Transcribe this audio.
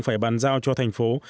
phải bàn giao cho thành phố